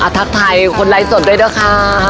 ทักทายคนไลฟ์สดด้วยนะคะ